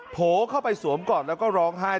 โผล่เข้าไปสวมก่อนแล้วก็ร้องไห้